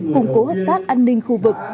củng cố hợp tác an ninh khu vực